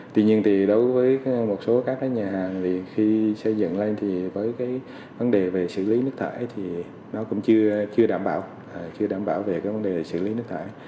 tuy nhiên đối với một số các nhà hàng khi xây dựng lên với vấn đề về xử lý nước thải thì nó cũng chưa đảm bảo về vấn đề xử lý nước thải